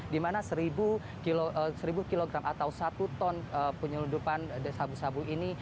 dimana seribu kilogram atau satu ton penyeludupan sabu sabu ini